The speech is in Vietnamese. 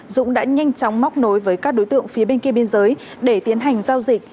dũng đã nhanh chóng móc nối với các đối tượng phía bên kia biên giới để tiến hành giao dịch